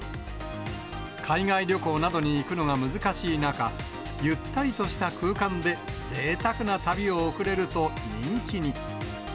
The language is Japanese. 海外旅行などに行くのが難しい中、ゆったりとした空間で、ぜいたくな旅を送れると、人気に。